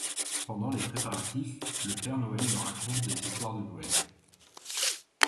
Pendant les préparatifs, le Père Noël leur raconte des histoires de Noël.